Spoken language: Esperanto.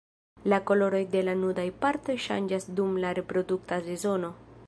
La koloroj de la nudaj partoj ŝanĝas dum la reprodukta sezono.